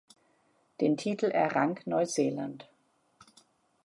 Den Titel errang Neuseeland.